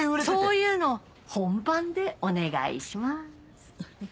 そういうの本番でお願いします。